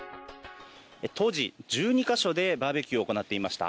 当時、１２か所でバーベキューを行っていました。